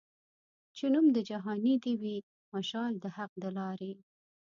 چي نوم د جهاني دي وي مشال د حق د لاري